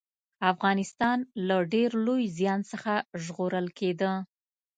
افغانستان له ډېر لوی زيان څخه ژغورل کېده